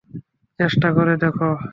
চেষ্টা করে দেখো।